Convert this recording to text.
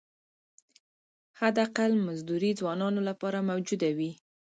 حداقل مزدوري ځوانانو لپاره موجوده وي.